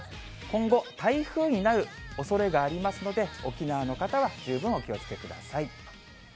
今後、台風になるおそれがありますので、沖縄の方は十分お気をつけください。